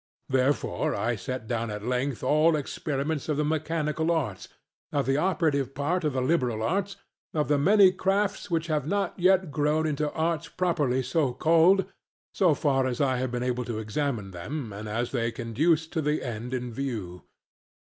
Therefore I set down at length all experiments of the mechanical arts, of the operative part of the liberal arts, of the many crafts which have not yet grown into arts properly so called, so far as I have been able to examine them and as they conduce to the end in view.